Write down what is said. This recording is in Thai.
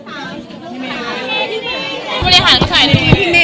ขอบคุณครับ